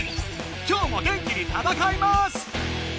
きょうも元気に戦います！